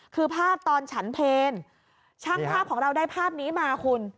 คือภาพตอนฉันเพลช่างภาพของเราได้ภาพนี้มาคุณ